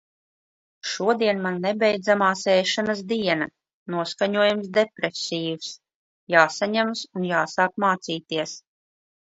Šodien man nebeidzamās ēšanas diena. Noskaņojums depresīvs. Jāsaņemas un jāsāk mācīties.